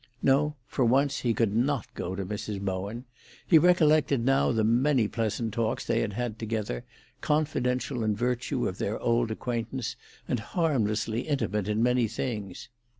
No; for once he could not go to Mrs. Bowen. He recollected now the many pleasant talks they had had together, confidential in virtue of their old acquaintance, and harmlessly intimate in many things.